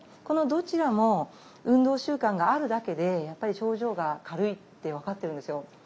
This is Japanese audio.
このどちらも運動習慣があるだけでやっぱり症状が軽いって分かってるんですよ。